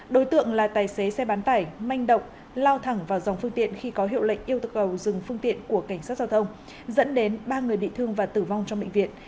đối tượng là tài xế xe bán tải manh động lao thẳng vào dòng phương tiện khi có hiệu lệnh yêu cầu dừng phương tiện của cảnh sát giao thông dẫn đến ba người bị thương và tử vong trong bệnh viện